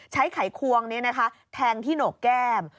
ไขควงแทงที่โหนกแก้ม